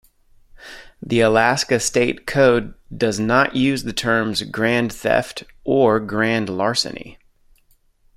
The Alaska State Code does not use the terms "grand theft" or "grand larceny.